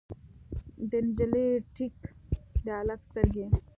د نجلۍ ټیک، د هلک سترګې